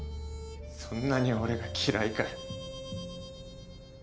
そんなに俺が嫌いかよ。